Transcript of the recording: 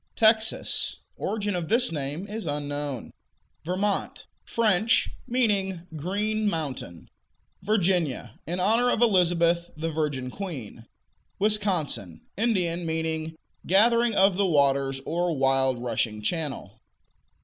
Texas Origin of this name is unknown. Vermont French; meaning "green mountain." Virginia In honor of Elizabeth, the "Virgin Queen." Wisconsin Indian; meaning "gathering of the waters," or "wild rushing channel."